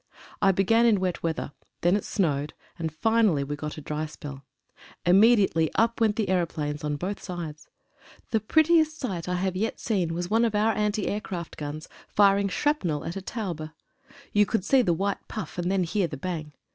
I began in wet weather; then it snowed, and finally we got a dry spell. Immediately up went the aeroplanes on both sides. The prettiest sight I have yet seen was one of our anti aircraft guns firing shrapnel at a Taube. You would see the white puff, and then hear the bang.